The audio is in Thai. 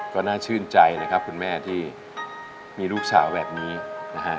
ก็น่าชื่นใจนะครับคุณแม่ที่มีลูกสาวแบบนี้นะฮะ